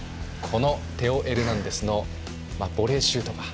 テオ・エルナンデスのボレーシュートが。